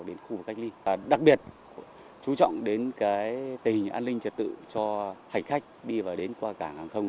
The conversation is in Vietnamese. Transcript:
đặc biệt chú trọng đến tình hình an ninh trật tự cho hành khách đi và đến qua cảng hàng không